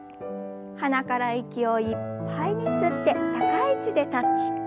鼻から息をいっぱいに吸って高い位置でタッチ。